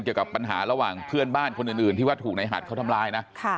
เกี่ยวกับปัญหาระหว่างเพื่อนบ้านคนอื่นที่ว่าถูกในหัดเขาทำร้ายนะ